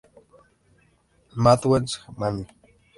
Matthews, Manly.